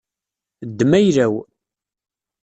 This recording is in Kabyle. Ddem ayla-w.